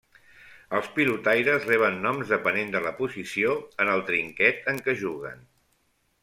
Els pilotaires reben noms depenent de la posició en el trinquet en què juguen.